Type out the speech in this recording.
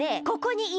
ここに！